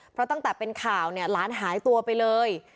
เพราะตั้งแต่เป็นข่าวเนี่ยหลานหายตัวไปเลย